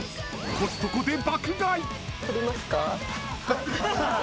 コストコで爆買い！